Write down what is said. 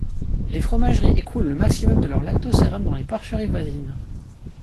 Les fromageries écoulent le maximum de leur lactosérum dans les porcheries voisines.